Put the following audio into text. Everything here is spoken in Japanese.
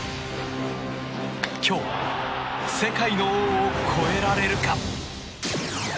今日、世界の王を超えられるか。